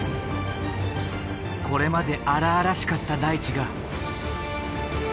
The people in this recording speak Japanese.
これまで荒々しかった大地が。